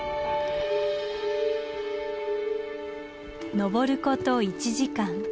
登ること１時間。